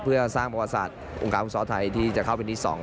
เพื่อสร้างประวัติศาสตร์องค์การฟุตซอลไทยที่จะเข้าเป็นที่๒